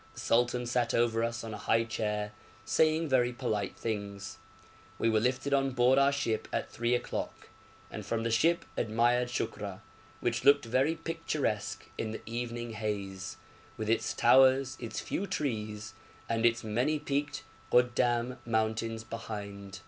The sultan sat over us on a high chair, saying very polite things. We were lifted on board our ship at three o'clock, and from the ship admired Shukra, which looked very picturesque in the evening haze, with its towers, its few trees, and its many peaked Goddam mountains behind.